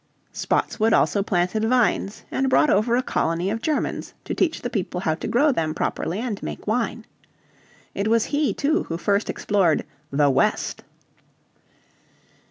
Spotswood also planted vines, and brought over a colony of Germans to teach the people how to grow them properly, and make wine. It was he, too, who first explored "the West."